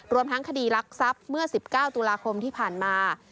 ทั้งคดีรักทรัพย์เมื่อ๑๙ตุลาคมที่ผ่านมา